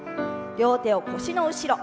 両手を腰の後ろ。